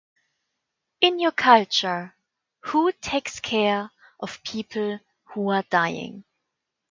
In your culture, who takes care of people who are dying?